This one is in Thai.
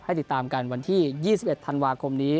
ติดตามกันวันที่๒๑ธันวาคมนี้